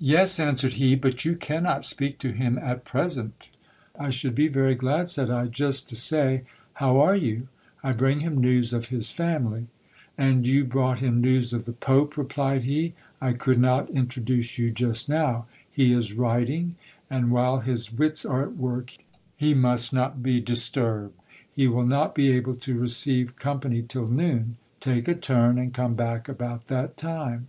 Yes, answered he, but you cannot speak to him at present. I should be very glad, said I, just to say, How are you ? I bring him news of his family. An you brought him news of the pope, replied he, I could not introduce you just now. He is writing, and while his wits are at work, he must not be disturbed. He will not be able to receive company till noon ; take a turn, and come back about that time.